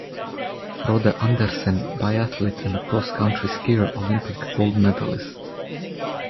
Frode Andresen, biathlete and a cross-country skier, Olympic gold medalist.